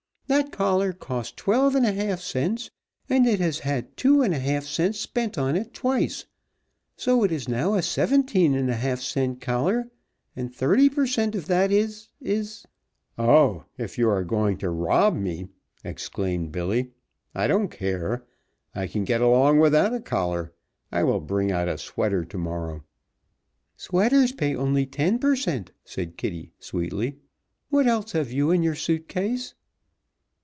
That collar cost twelve and a half cents, and it has had two and a half cents spent on it twice, so it is now a seventeen and a half cent collar, and thirty per cent. of that is is " "Oh, if you are going to rob me!" exclaimed Billy. "I don't care. I can get along without a collar. I will bring out a sweater to morrow." "Sweaters pay only ten per cent.," said Kitty sweetly. "What else have you in your suit case?"